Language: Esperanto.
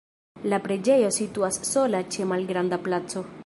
La preĝejo situas sola ĉe malgranda placo.